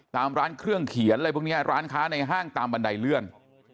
ตามร้านเครื่องเขียนอะไรพวกนี้ร้านค้าในห้างตามบันไดเลื่อน